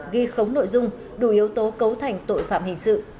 ghi khống nội dung đủ yếu tố cấu thành tội phạm hình sự